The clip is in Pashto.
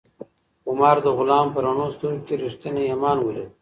عمر د غلام په رڼو سترګو کې ریښتینی ایمان ولید.